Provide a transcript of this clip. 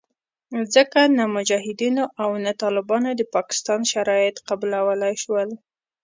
ځکه نه مجاهدینو او نه طالبانو د پاکستان شرایط قبلولې شول